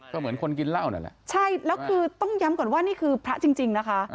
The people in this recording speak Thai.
ก็เหมือนคนกินราวเช้าต้องย้ำก่อนว่านี่คือพระจริงนะคะ